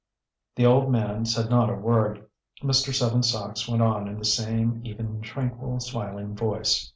"The old man said not a word," Mr. Seven Sachs went on in the same even tranquil smiling voice.